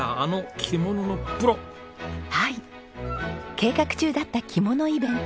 計画中だった着物イベント